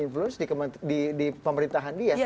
influence di pemerintahan dia